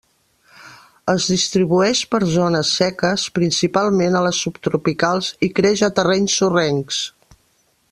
Es distribueix per zones seques, principalment a les subtropicals i creix a terrenys sorrencs.